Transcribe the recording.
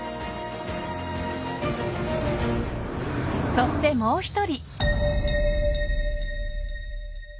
そしてもう１人。